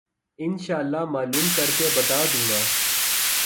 ان شاءاللہ معلوم کر کے بتا دوں گا۔